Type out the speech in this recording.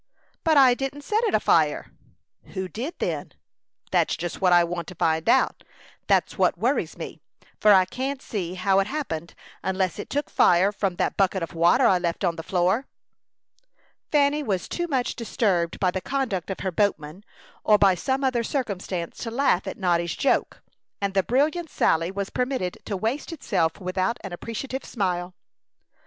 "But I didn't set it afire." "Who did, then?" "That's just what I want to find out. That's what worries me; for I can't see how it happened, unless it took fire from that bucket of water I left on the floor." Fanny was too much disturbed by the conduct of her boatman, or by some other circumstance, to laugh at Noddy's joke; and the brilliant sally was permitted to waste itself without an appreciative smile.